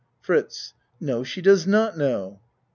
FRITZ No she does not know.